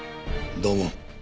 土門。